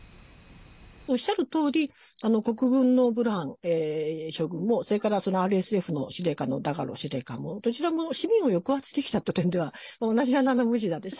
おっしゃるとおり国軍のブルハン将軍もそれから、そのＲＳＦのダガロ司令官もどちらも市民を抑圧してきたという点では同じ穴のむじなです。